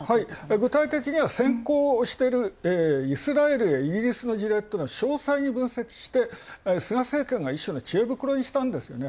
具体的には先行している、イスライエルやイギリスの事例は詳細に分析して菅政権が一種の知恵袋にしたんですね。